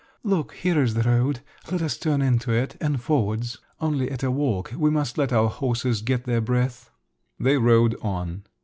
"Look, here is the road; let us turn into it—and forwards. Only at a walk. We must let our horses get their breath." They rode on.